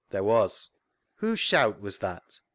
— There was. Whose shout was that